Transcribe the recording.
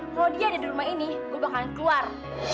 kalau dia ada di rumah ini gue bakalan keluar